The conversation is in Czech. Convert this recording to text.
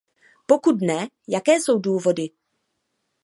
Pokud ne, jaké jsou důvody?